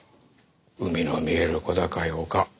海の見える小高い丘。